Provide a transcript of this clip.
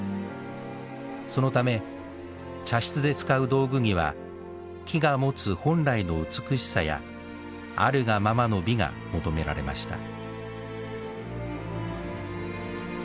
そのため茶室で使う道具には木が持つ本来の美しさやあるがままの美が求められました。